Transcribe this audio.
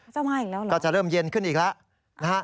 จะมาอีกแล้วเหรอก็จะเริ่มเย็นขึ้นอีกแล้วนะฮะ